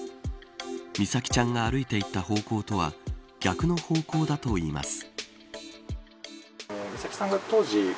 美咲ちゃんが歩いていった方向とは逆の方向だといいます。